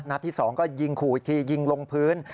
นัดที่๒ก็ยิงขู่อีกทียิงลงพื้น